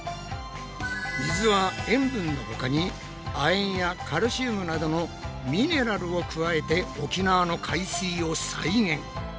水は塩分の他に亜鉛やカルシウムなどのミネラルを加えて沖縄の海水を再現。